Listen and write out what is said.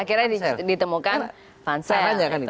akhirnya ditemukan pansel